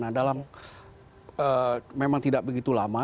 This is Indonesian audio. nah dalam memang tidak begitu lama